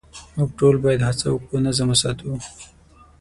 موږ ټول باید هڅه وکړو نظم وساتو.